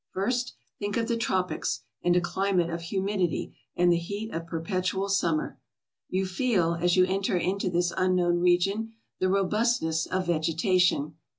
First, think of the tropics and a climate of humidity and the heat of perpetual summer. You feel, as you enter into this unknown region, the robustness of vegetation.